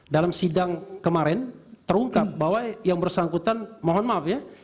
dalam sidang kemarin terungkap bahwa yang bersangkutan mohon maaf ya